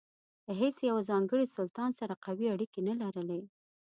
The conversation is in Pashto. له هیڅ یوه ځانګړي سلطان سره قوي اړیکې نه لرلې.